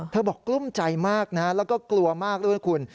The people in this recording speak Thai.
บอกกลุ้มใจมากนะแล้วก็กลัวมากด้วยนะคุณ